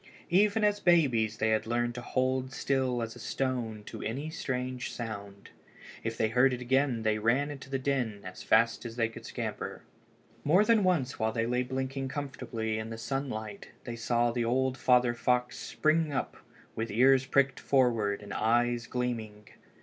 _] Even as babies they had learned to hold still as a stone at any strange sound. If they heard it again they ran to the den as fast as they could scamper. More than once while they lay blinking comfortably in the sunlight they saw the old father fox spring up with his ears pricked forward and his eyes gleaming.